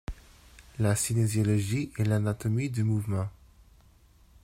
La cinésiologie est l'anatomie du mouvement.